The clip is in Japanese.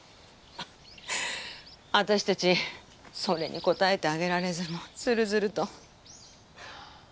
私たちそれに応えてあげられずもうズルズルと。